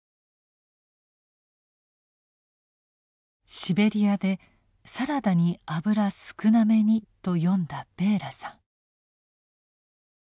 シベリアで「サラダに油少なめに」と詠んだベーラさん。